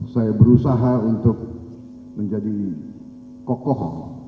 saya berusaha untuk menjadi kokoh